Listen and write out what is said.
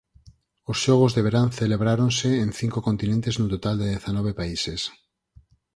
Os Xogos de Verán celebráronse en cinco continentes nun total de dezanove países.